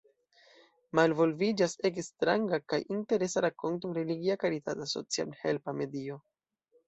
Malvolviĝas ege stranga kaj interesa rakonto en religia karitata socialhelpa medio.